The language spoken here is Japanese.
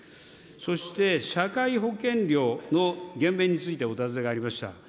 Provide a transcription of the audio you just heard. そして社会保険料の減免についてお尋ねがありました。